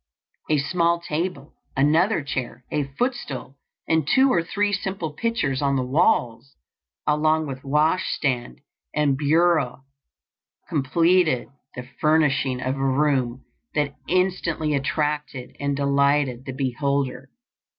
A small table, another chair, a footstool, and two or three simple pictures on the walls, along with wash stand and bureau, completed the furnishing of a room that instantly attracted and delighted the beholder.